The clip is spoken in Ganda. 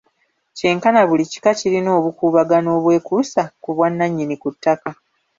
Kyenkana buli kika kirina obukuubagano obwekuusa ku bwannannyini ku ttaka.